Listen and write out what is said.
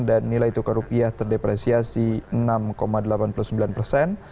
dan nilai tukar rupiah terdepresiasi enam delapan puluh sembilan persen